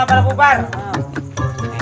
bukan apa apa pak